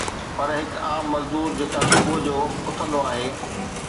پر هڪ عام مزدور جيڪو صبح جو اٿندو آهي